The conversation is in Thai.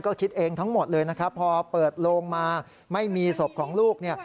ก็คิดเองทั้งหมดเลยนะครับพอเปิดโลงมาไม่มีศพของลูกเนี่ย